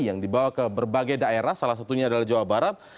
yang dibawa ke berbagai daerah salah satunya adalah jawa barat